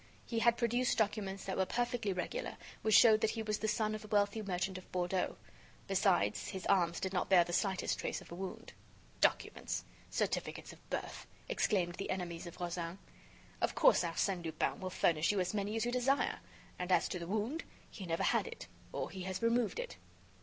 He had produced documents that were perfectly regular, which showed that he was the son of a wealthy merchant of Bordeaux. Besides, his arms did not bear the slightest trace of a wound. "Documents! Certificates of birth!" exclaimed the enemies of Rozaine, "of course, Arsène Lupin will furnish you as many as you desire. And as to the wound, he never had it, or he has removed it."